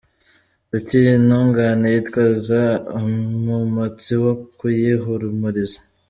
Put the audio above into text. Kuki iyi ntungane yitwaza umumotsi wo kuyihumuriza?